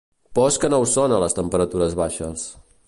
Pors que no ho són a les temperatures baixes.